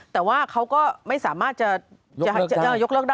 แต่ว่าเขาก็ไม่สามารถจะยกเลิกได้